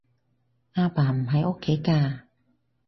阿爸唔喺屋企㗎